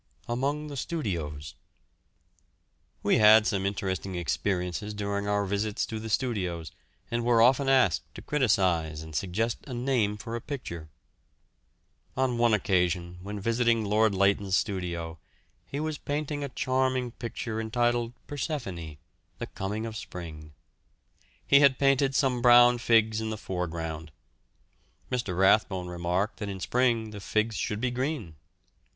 AMONG THE STUDIOS. We had some interesting experiences during our visits to the studios, and were often asked to criticise and suggest a name for a picture. On one occasion when visiting Lord Leighton's studio, he was painting a charming picture entitled "Persephone," the coming of spring. He had painted some brown figs in the foreground. Mr. Rathbone remarked that in spring the figs should be green.